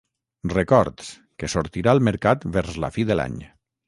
Records, que sortirà al mercat vers la fi de l'any.